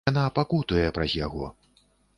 Яна пакутуе праз яго.